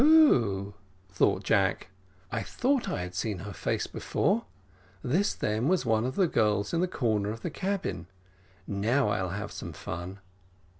"Oh, oh," thought Jack; "I thought I had seen her face before; this then was one of the girls in the corner of the cabin now, I'll have some fun."